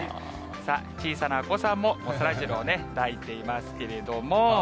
小さなお子さんもそらジローね、抱いていますけれども。